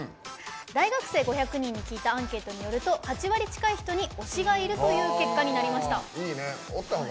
大学生５００人に聞いたアンケートによると８割近い人に推しがいるという結果になりました。